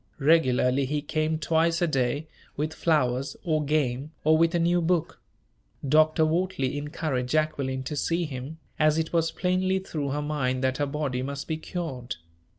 Regularly he came twice a day, with flowers, or game, or with a new book. Dr. Wortley encouraged Jacqueline to see him, as it was plainly through her mind that her body must be cured.